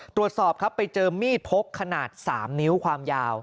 ตรวจสอบครับไปเจอมีดพกขนาด๓นิ้วความยาว